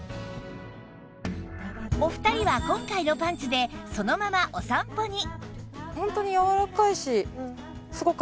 お二人は今回のパンツでそのままお散歩に